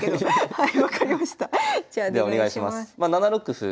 はい。